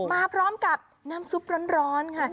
มาพร้อมกับน้ำซุปร้อนค่ะ